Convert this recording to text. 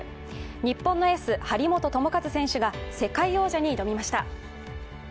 日本のエース・張本智和選手が世界王者に挑みました。